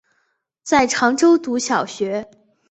在常州读小学。